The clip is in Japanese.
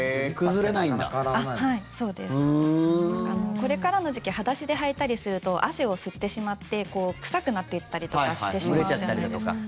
これからの時期裸足で履いたりすると汗を吸ってしまって臭くなっていったりとかしてしまうじゃないですか。